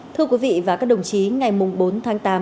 thưa quý vị và các đồng chí ngày bốn tháng tám